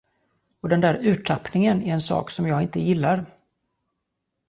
Och den där urtappningen är en sak, som jag inte gillar.